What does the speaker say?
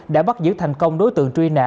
đã bắt giữ thành công đối tượng truy nã